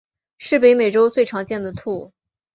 是北美洲最常见的兔。